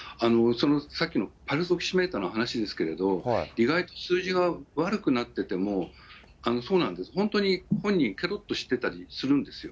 さっきのパルスオキシメーターの話ですけれども、意外と数字が悪くなってても、そうなんです、本当に本人、けろっとしてたりするんですよ。